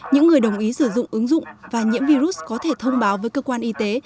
những người đồng ý sử dụng ứng dụng và nhiễm virus có thể thông báo với cơ quan y tế